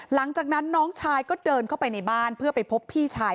หลังจากนั้นน้องชายก็เดินเข้าไปในบ้านเพื่อไปพบพี่ชาย